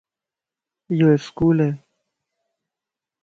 ايو اسڪول ائي